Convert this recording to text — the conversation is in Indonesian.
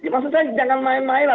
maksudnya jangan main main lah